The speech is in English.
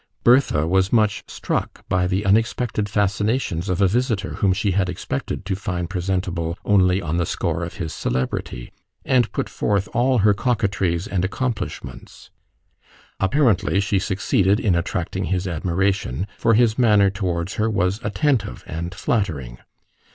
Bertha was much struck by the unexpected fascinations of a visitor whom she had expected to find presentable only on the score of his celebrity, and put forth all her coquetries and accomplishments. Apparently she succeeded in attracting his admiration, for his manner towards her was attentive and flattering.